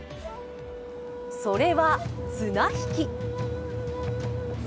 それは綱引き。